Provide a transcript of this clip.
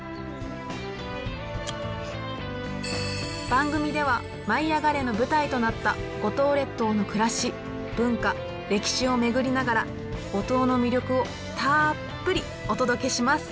番組では「舞いあがれ！」の舞台となった五島列島の暮らし文化歴史を巡りながら五島の魅力をたっぷりお届けします。